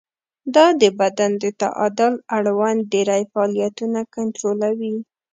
دا د بدن د تعادل اړوند ډېری فعالیتونه کنټرولوي.